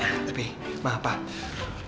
nah tapi maaf pak